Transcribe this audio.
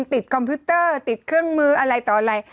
คอมพิวเตอร์ติดเครื่องมืออะไรต่ออะไร